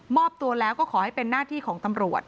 อบตัวแล้วก็ขอให้เป็นหน้าที่ของตำรวจ